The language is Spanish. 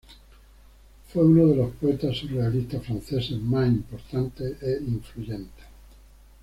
Fue uno de los poetas surrealistas franceses más importantes e influyentes.